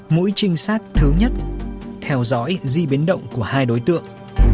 mũi trinh sát thứ nhất theo dõi di biến động của hai đối tượng